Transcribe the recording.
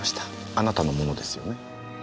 あなたのものですよね？